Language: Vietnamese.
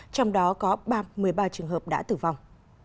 trong đó có một mươi ba trường hợp đã tử vong